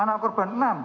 anak korban enam